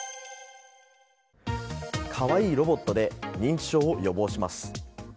可愛いロボットで認知症を予防します。